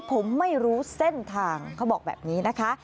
ผมไม่รู้เส้นทางเขาบอกแบบนี้นะคะ